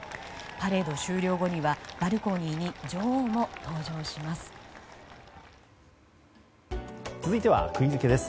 パレード終了後にはバルコニーに女王も登場します。